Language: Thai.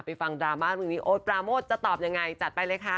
ไปฟังดราม่าโอ๊ดปราโมทจะตอบอย่างไรจัดไปเลยค่ะ